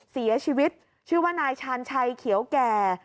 เสียชีวิตชื่อว่านายชาญชัยเขียวแก่